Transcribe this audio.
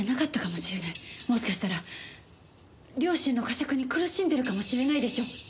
もしかしたら良心の呵責に苦しんでるかもしれないでしょ？